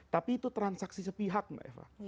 tapi itu transaksi sepihak mbak eva